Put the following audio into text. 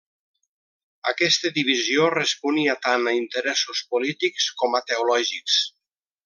Aquesta divisió responia tant a interessos polítics com a teològics.